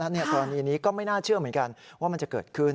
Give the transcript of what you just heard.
กรณีนี้ก็ไม่น่าเชื่อเหมือนกันว่ามันจะเกิดขึ้น